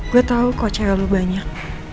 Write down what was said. gue tau kok cewek lo banyak